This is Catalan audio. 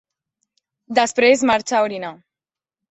Després marxa a orinar.